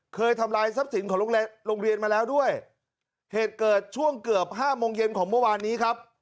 ทำลายทรัพย์สินของโรงเรียนมาแล้วด้วยเหตุเกิดช่วงเกือบห้าโมงเย็นของเมื่อวานนี้ครับ